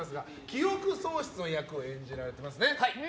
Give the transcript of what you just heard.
記憶喪失の役を演じられていますね。